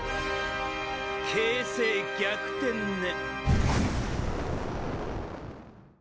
形勢逆転ね。